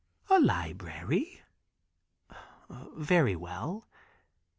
"A library?" "Very well."